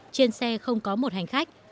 trên xe không có một hành khách